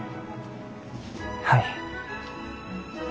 はい。